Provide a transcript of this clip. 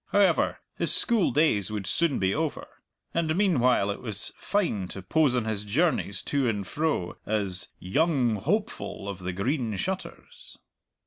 However, his school days would soon be over, and meanwhile it was fine to pose on his journeys to and fro as Young Hopeful of the Green Shutters.